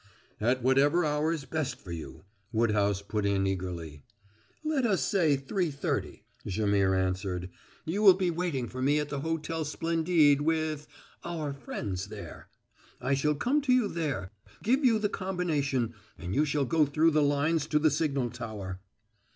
"At whatever hour is best for you," Woodhouse put in eagerly. "Let us say three thirty," Jaimihr answered. "You will be waiting for me at the Hotel Splendide with our friends there. I shall come to you there, give you the combination, and you shall go through the lines to the signal tower."